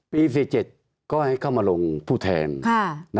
๔๗ก็ให้เข้ามาลงผู้แทน